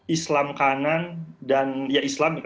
islam kanan dan ya islam